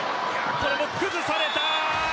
これも崩された。